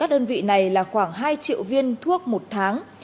đơn vị này là khoảng hai triệu viên thuốc một tháng